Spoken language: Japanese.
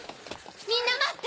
みんな待って！